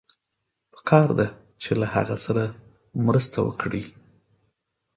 پکار ده چې له هغه سره مرسته وکړئ.